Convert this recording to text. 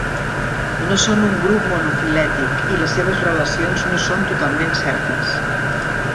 No són un grup monofilètic i les seves relacions no són totalment certes.